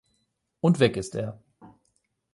Und weg ist er.